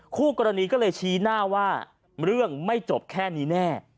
คู่กรณีก็เลยชี้หน้าว่าเรื่องไม่จบแค่นี้แน่